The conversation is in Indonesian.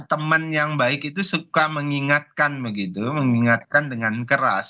teman yang baik itu suka mengingatkan begitu mengingatkan dengan keras